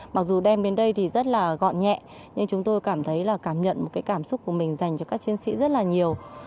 mặc dù đem đến đây thì rất là gọn nhẹ nhưng chúng tôi cảm thấy là cảm nhận một cái cảm xúc của mình dành cho các chiến sĩ rất là nhiều